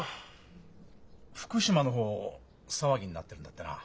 福島の方騒ぎになってるんだってな？